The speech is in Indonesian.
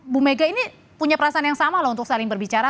bu mega ini punya perasaan yang sama loh untuk saling berbicara